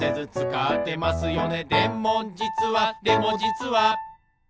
「でもじつはでもじつは」